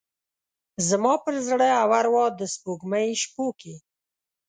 زما پر زړه او اروا د سپوږمۍ شپوکې،